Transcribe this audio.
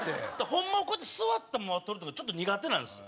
ホンマはこうやって座ったまま取るのがちょっと苦手なんです。